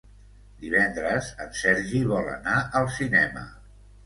Divendres en Sergi vol anar al cinema.